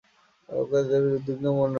ওকে বেশ উদ্বিগ্ন মনে হলো।